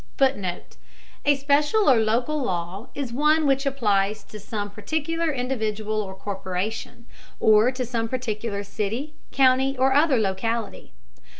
[Footnote: A special or local law is one which applies to some particular individual or corporation, or to some particular city, county, or other locality.